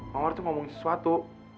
mawar tuh ngomongin sesuatu